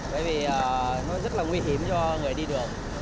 bởi vì nó rất là nguy hiểm cho người đi đường